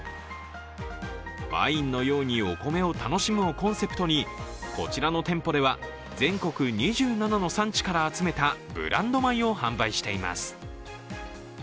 「ワインのようにお米を楽しむ」をコンセプトにこちらの店舗では全国２７の産地から集めたブランド米を販売しています。